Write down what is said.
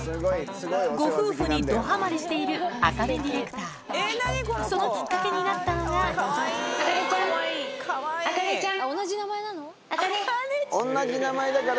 ご夫婦にどハマりしている茜ディレクターそのきっかけになったのが茜ちゃん。